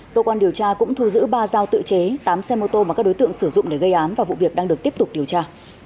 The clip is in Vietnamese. tổ quan điều tra cũng thu giữ ba dao tự chế tám xe mô tô mà các đối tượng sử dụng để gây án và vụ việc đang được tiếp tục điều tra